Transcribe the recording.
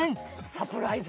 サプライズ